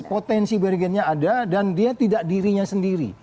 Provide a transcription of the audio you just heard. potensi bergennya ada dan dia tidak dirinya sendiri